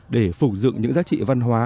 để phục dựng những giá trị văn hóa